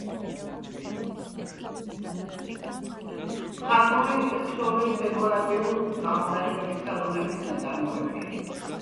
მხატვრული ქსოვილი დეკორატიულ-გამოყენებითი ხელოვნების ნაწარმოებია.